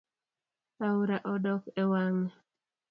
Aora odok ewange